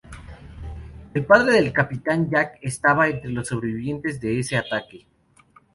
El padre del capitán Jack estaba entre los sobrevivientes de ese ataque.